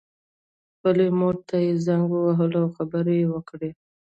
خپلې مور ته یې زنګ وواهه او خبرې یې وکړې